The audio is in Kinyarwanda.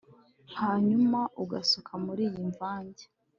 hanyuma ugasuka muriyi mvange